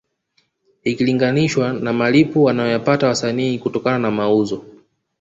Ikilinganishwa na malipo wanayoyapata wasanii kutokana na mauzo